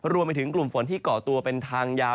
รวมไปถึงกลุ่มฝนที่เกาะตัวเป็นทางยาว